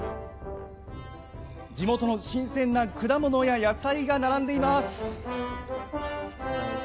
地元の新鮮な果物や野菜が並んでいます。